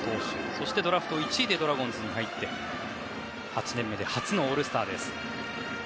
そしてドラフト１位でドラゴンズに入って８年目で初のオールスターです。